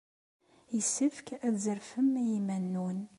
Yessefk ad tzerfem i yiman-nwen.